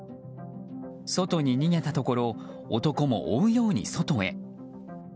外に逃げたところ男も追うように外へ。